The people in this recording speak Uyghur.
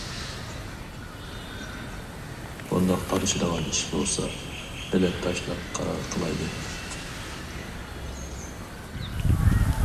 بۇنداق تالىشىدىغان ئىش بولسا، بىلەت تاشلاپ قارار قىلايلى.